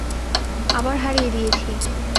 আবার হারিয়ে দিয়েছি।